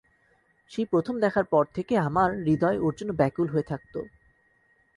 সেই প্রথম দেখার পর থেকে আমার হৃদয় ওর জন্য ব্যাকুল হয়ে থাকত।